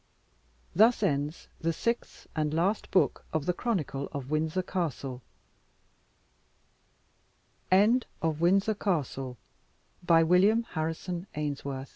THUS ENDS THE SIXTH AND LAST BOOK OF THE CHRONICLE OF WINDSOR CASTLE End of Project Gutenberg's Windsor Castle, by William Harrison Ainsworth END